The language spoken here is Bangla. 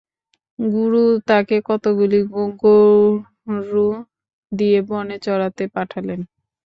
গুরু তাঁকে কতকগুলি গরু দিয়ে বনে চরাতে পাঠালেন।